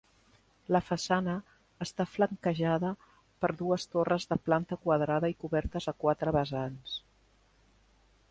La façana està flanquejada per dues torres de planta quadrada i cobertes a quatre vessants.